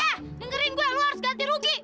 ah dengerin gue lo harus ganti rugi